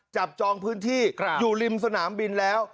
จองพื้นที่อยู่ริมสนามบินแล้ว